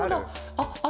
あっあっ